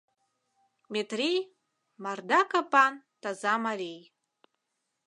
Метрий — марда капан, таза марий.